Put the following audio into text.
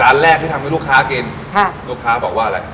ร้านแรกที่ทำให้ลูกค้ากินลูกค้าบอกว่าอะไร